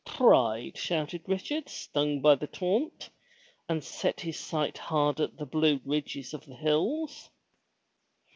"Pride!" shouted Richard stung by the taunt, and set his sight hard at the blue ridges of the hills.